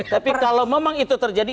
tapi kalau memang itu terjadi